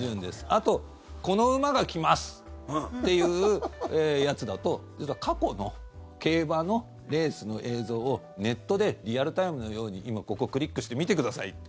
あと、この馬が来ます！っていうやつだと実は過去の競馬のレースの映像をネットでリアルタイムのように今、ここをクリックして見てくださいと。